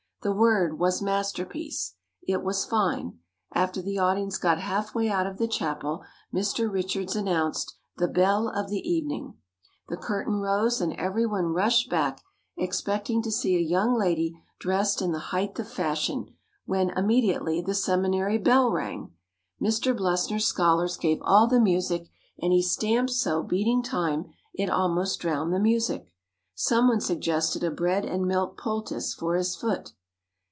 The word was "Masterpiece." It was fine. After the audience got half way out of the chapel Mr. Richards announced "The Belle of the Evening." The curtain rose and every one rushed back, expecting to see a young lady dressed in the height of fashion, when immediately the Seminary bell rang! Mr. Blessner's scholars gave all the music and he stamped so, beating time, it almost drowned the music. Some one suggested a bread and milk poultice for his foot.